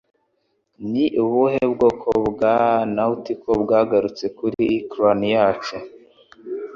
Ni ubuhe bwoko bwa nautical bwagarutse kuri ecran yacu